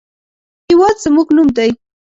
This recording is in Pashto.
هېواد زموږ نوم دی